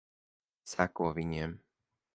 Seko viņiem.